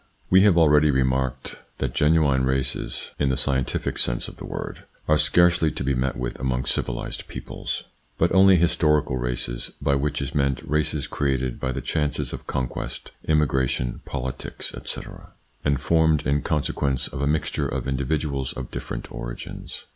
WE have already remarked that genuine races, in the scientific sense of the word, are scarcely to be met with among civilised peoples, but only historical races, by which is meant races created by the chances of conquest, immigration, politics, etc., 50 THE PSYCHOLOGY OF PEOPLES 51 % and formed, in consequence, of a mixture of individuals of different origins.